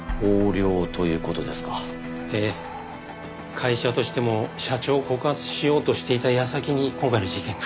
会社としても社長を告発しようとしていた矢先に今回の事件が。